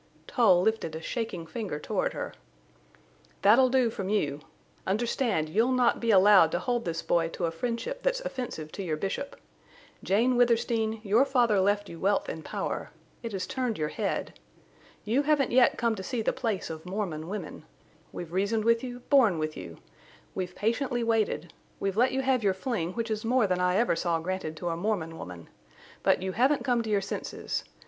Tull lifted a shaking finger toward her. "That'll do from you. Understand, you'll not be allowed to hold this boy to a friendship that's offensive to your Bishop. Jane Withersteen, your father left you wealth and power. It has turned your head. You haven't yet come to see the place of Mormon women. We've reasoned with you, borne with you. We've patiently waited. We've let you have your fling, which is more than I ever saw granted to a Mormon woman. But you haven't come to your senses.